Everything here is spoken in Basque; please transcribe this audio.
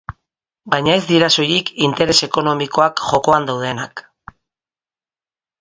Baina ez dira soilik interes ekonomikoak jokoan daudenak.